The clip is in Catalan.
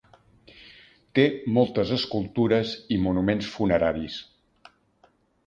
Té moltes escultures i monuments funeraris.